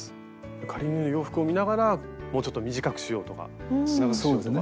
仮縫いの洋服を見ながらもうちょっと短くしようとか長くしようとか。